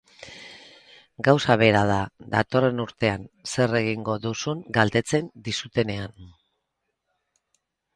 Gauza bera da datorren urtean zer egingo duzun galdetzen dizutenean.